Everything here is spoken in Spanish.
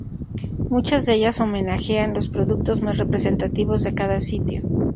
Muchas de ellas homenajean los productos más representativos de cada sitio.